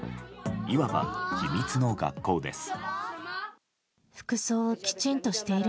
いわば秘密の学校です。